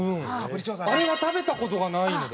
あれは食べた事がないので。